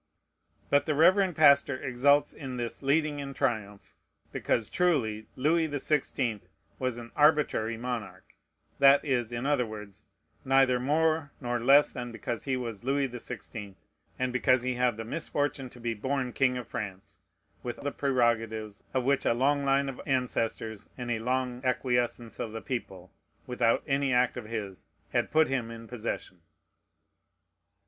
But the reverend pastor exults in this "leading in triumph," because, truly, Louis the Sixteenth was "an arbitrary monarch": that is, in other words, neither more nor less than because he was Louis the Sixteenth, and because he had the misfortune to be born king of France, with the prerogatives of which a long line of ancestors, and a long acquiescence of the people, without any act of his, had put him in possession.